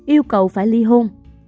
yêu cầu phải ly hôn